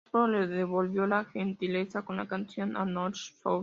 Ashcroft le devolvió la gentileza con la canción "A northern soul".